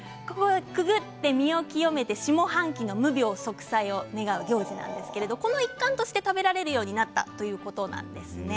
くぐって身を清めて下半期の無病息災を願う行事なんですがその一環として食べられるようになったということです。